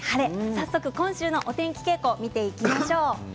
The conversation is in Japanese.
早速、今週のお天気傾向を見ていきましょう。